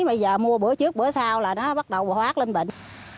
bây giờ mua bữa trước bữa sau là nó bắt đầu hoát lên bệnh